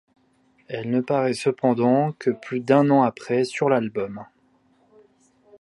Elle ne paraît cependant que plus d'un an après, sur l'album '.